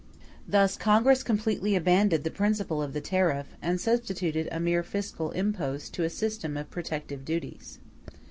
*e Thus Congress completely abandoned the principle of the tariff; and substituted a mere fiscal impost to a system of protective duties.